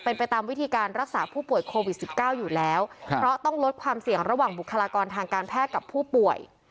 เป็นไปตามวิธีการรักษาผู้ป่วยโควิด๑๙อยู่แล้วเพราะต้องลดความเสี่ยงระหว่างบุคลากรทางการแพทย์กับผู้ป่วย